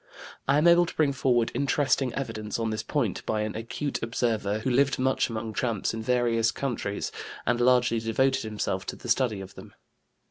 I am able to bring forward interesting evidence on this point by an acute observer who lived much among tramps in various countries, and largely devoted himself to the study of them.